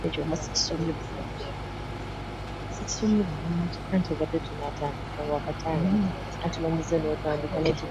Abayizi abawera emitwalo asatu mu esatu mu nkumi ssatu lunaana kinaana mu mwenda be bagenda okutuula ebibuuzo byabwe.